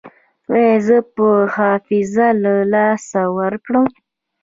ایا زه به حافظه له لاسه ورکړم؟